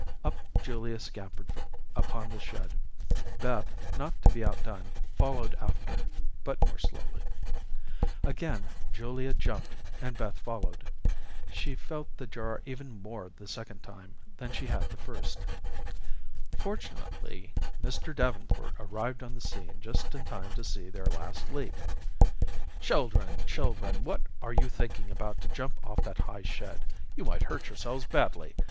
Up Julia scampered upon the shed. Beth, not to be outdone, followed after, but more slowly. Again Julia Jumped and Beth followed. She felt the jar even more the second time than she had the first. Fortunately, Mr. Davenport arrived on the scene just in time to see their last leap. "Children, children, what are you thinking about to jump off that high shed? You might hurt yourselves badly.